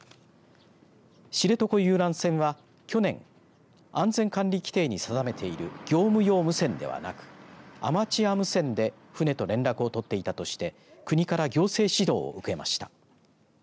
知床遊覧船は、去年安全管理規程に定めている業務用無線ではなくアマチュア無線で船と連絡を取っていたとして国から行政指導を受けました。